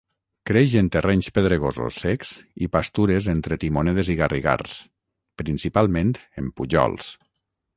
Creix en terrenys pedregosos secs i pastures entre timonedes i garrigars, principalment en pujols.